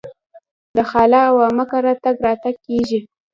د خاله او عمه کره تګ راتګ کیږي.